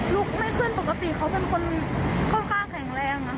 ไม่ขึ้นปกติเขาเป็นคนค่อนข้างแข็งแรง